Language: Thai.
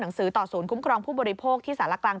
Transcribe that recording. หนังสือต่อศูนย์คุ้มกรองผู้บริโภคที่สหรัฐกลาง